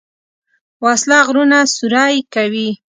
وسله غرونه سوری کوي